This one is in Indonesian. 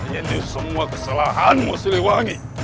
ini semua kesalahanmu siliwangi